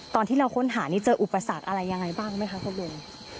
ตอนที่เราค้นหานี่เจออุปสรรคอะไรยังไงบ้างไหมคะคุณลุง